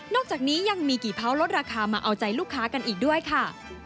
อกจากนี้ยังมีกี่เผาลดราคามาเอาใจลูกค้ากันอีกด้วยค่ะ